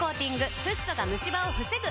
フッ素がムシ歯を防ぐ！